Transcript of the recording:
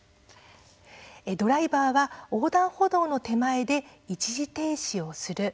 ドライバーは横断歩道の手前で一時停止をする。